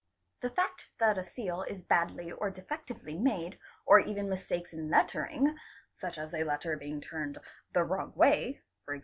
The fact that a seal is badly or defectively made or even mistakes in lettering (such as a letter being turned the wrong way, e.g.